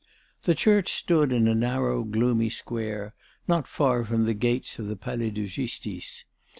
The church stood in a narrow, gloomy square, not far from the gates of the Palais de Justice.